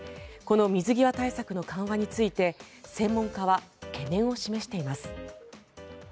この水際対策の緩和について専門家は、懸念を示しています。